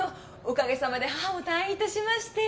おかげさまで母も退院いたしまして。